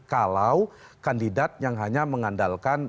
kalau kandidat yang hanya mengandalkan